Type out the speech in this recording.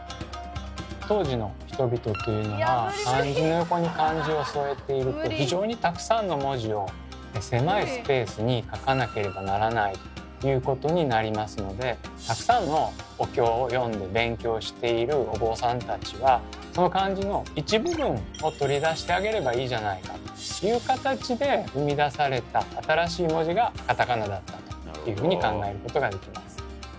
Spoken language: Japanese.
当時の人々というのは漢字の横に漢字を添えていると非常にたくさんの文字を狭いスペースに書かなければならないということになりますのでたくさんのお経を読んで勉強しているお坊さんたちはその漢字の一部分を取り出してあげればいいじゃないかという形で生み出された新しい文字がカタカナだったというふうに考えることができます。